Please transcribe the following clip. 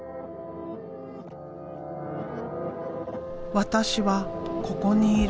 私はここにいる。